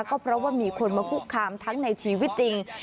ก็เพราะว่ามีคนมาคุกคามทั้งในชีวิตจริง